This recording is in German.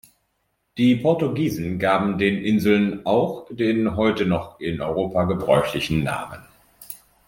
Die Portugiesen gaben den Inseln auch den heute noch in Europa gebräuchlichen Namen.